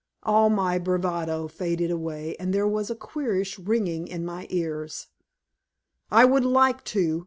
All my bravado faded away and there was a queerish ringing in my ears. "I would like to!"